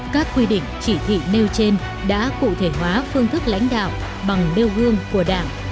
các quy định chỉ thị nêu trên đã cụ thể hóa phương thức lãnh đạo bằng nêu gương của đảng